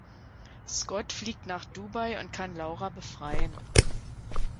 Scott fliegt nach Dubai und kann Laura befreien.